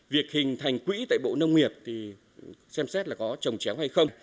việc hình thành quỹ tại bộ nông nghiệp thì xem xét là có trồng chéo hay không